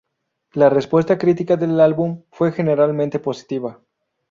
La respuesta crítica del álbum fue generalmente positiva.